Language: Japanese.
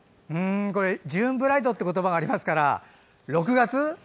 ジューンブライドという言葉がありますから、６月？